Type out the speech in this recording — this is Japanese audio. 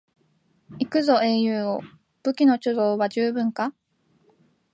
行くぞ英雄王、武器の貯蔵は十分か？